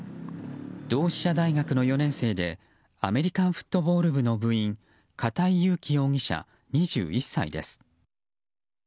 同志社大学の４年生でアメリカンフットボール部の部員片井裕貴容疑者、２１歳です。